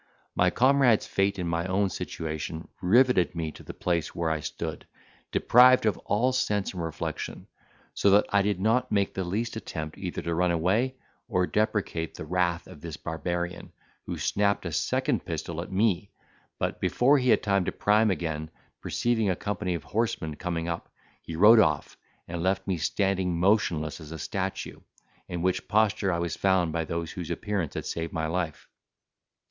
My comrade's fate and my own situation riveted me to the place where I stood, deprived of all sense and reflection; so that I did not make the least attempt either to run away or deprecate the wrath of this barbarian, who snapped a second pistol at me; but, before he had time to prime again, perceiving a company of horsemen coming up, he rode off, and left me standing motionless as a statue, in which posture I was found by those whose appearance had saved my life.